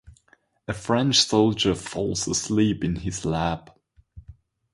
A French soldier falls asleep in his lap.